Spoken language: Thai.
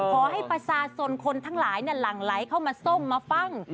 ขอให้ประชาชนคนทั้งหลายหลั่งไหลเข้ามาส้มมาฟัง